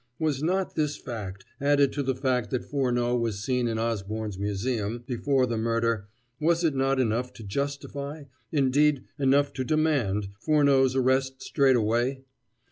Was not this fact, added to the fact that Furneaux was seen in Osborne's museum before the murder was it not enough to justify indeed, enough to demand Furneaux's arrest straight away?